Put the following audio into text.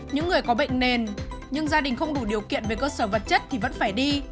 những người có bệnh nền nhưng gia đình không đủ điều kiện về cơ sở vật chất thì vẫn phải đi